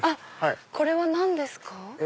これは何ですか？